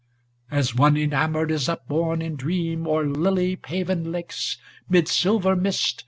* As one enamoured is upborne in dream O'er lily paven lakes mid silver mist.